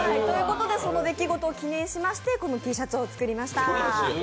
その出来事を記念しましてこのＴシャツを作りました。